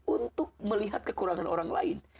untuk melihat kekurangan orang lain